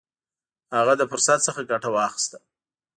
هغه له فرصت څخه ګټه واخیسته.